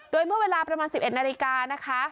โดยเมื่อเวลาประมาณ๑๑นาฬิกานะคะ